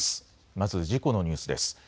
まず事故のニュースです。